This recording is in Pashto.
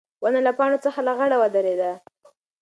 ونه له پاڼو څخه لغړه ودرېده.